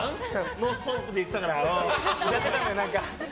「ノンストップ」で言ってたから。